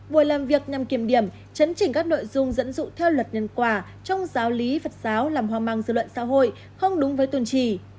buổi làm việc nhằm kiểm điểm chấn chỉnh các nội dung dẫn dụ theo luật nhân quả trong giáo lý phật giáo làm hoang mang dư luận xã hội không đúng với tuyên trì